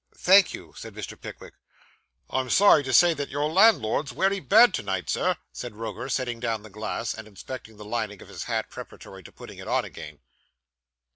'Thank you,' said Mr. Pickwick. 'I'm sorry to say that your landlord's wery bad to night, Sir,' said Roker, setting down the glass, and inspecting the lining of his hat preparatory to putting it on again.